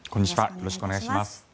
よろしくお願いします。